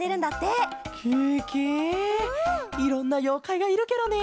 ケケいろんなようかいがいるケロね！